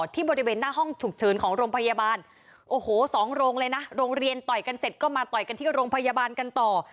ที่บริเวณหน้าห้องฉุกเฉินของโรงพยาบาลโอ้โหสองโรงเลยนะโรงเรียนต่อยกันเสร็จก็มาต่อยกันที่โรงพยาบาลกันต่อ